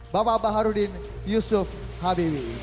bapak b harudin yusuf habibie